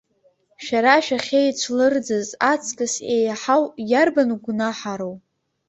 Шәара шәахьеицәлырӡыз аҵкыс еиҳау иарбан гәнаҳароу?!